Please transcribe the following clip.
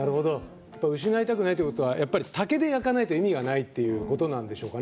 失いたくないということは竹で焼かないと意味がないっていうことなんでしょうかね。